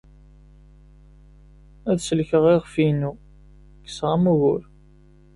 Ad sellkeɣ iɣef-inu. Kkseɣ-am ugur.